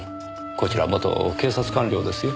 こちら元警察官僚ですよ。